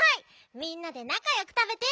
みんなでなかよくたべてって。